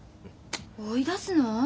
追い出すの？